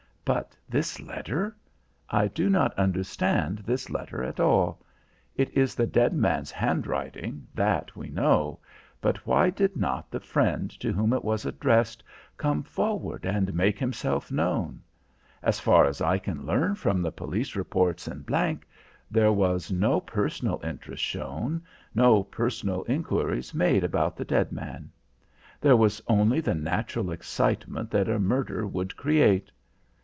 But this letter? I do not understand this letter at all. It is the dead man's handwriting, that we know, but why did not the friend to whom it was addressed come forward and make himself known? As far as I can learn from the police reports in G , there was no personal interest shown, no personal inquiries made about the dead man. There was only the natural excitement that a murder would create.